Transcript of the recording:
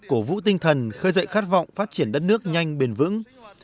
cổ vũ tinh thần khơi dậy khát vọng phát triển đất nước nhanh bền vững